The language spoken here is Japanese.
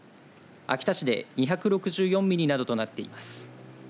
秋田市で２６４ミリなどとなっています。